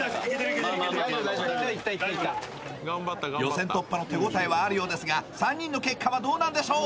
予選突破の手ごたえはあるようですが３人の結果はどうなんでしょう？